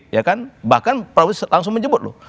bahkan pak prabowo langsung menjemput